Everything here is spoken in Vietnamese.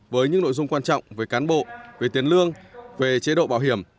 với những nội dung quan trọng về cán bộ về tiền lương về chế độ bảo hiểm